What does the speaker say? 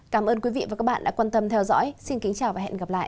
cảm ơn quý vị và các bạn đã quan tâm theo dõi xin kính chào và hẹn gặp lại